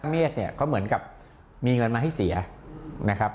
เมฆเนี่ยเขาเหมือนกับมีเงินมาให้เสียนะครับ